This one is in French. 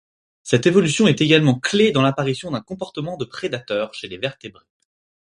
Cette évolution est également clé dans l’apparition d’un comportement de prédateur chez les vertébrés.